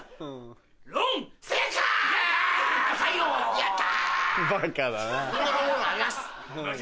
やった。